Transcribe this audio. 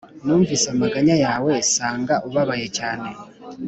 «numvise amaganya yawe, nsanga ubabaye cyane,